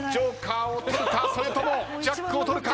それともジャックを取るか？